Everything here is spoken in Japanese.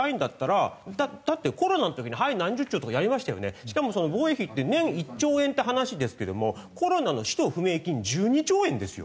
しかも防衛費って年１兆円って話ですけどもコロナの使途不明金１２兆円ですよ。